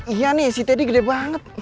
iya nih si teddy gede banget